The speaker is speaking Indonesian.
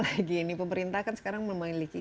lagi ini pemerintah kan sekarang memiliki